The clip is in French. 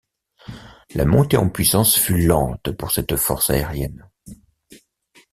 La montée en puissance fut lente pour cette force aérienne.